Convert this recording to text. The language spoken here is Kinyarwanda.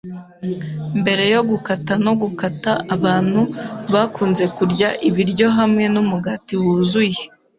Mbere yo gukata no gukata, abantu bakunze kurya ibiryo hamwe numugati wuzuye.